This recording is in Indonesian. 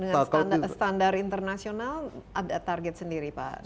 dengan standar internasional ada target sendiri pak